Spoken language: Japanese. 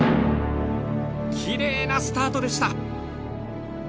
きれいなスタートでした。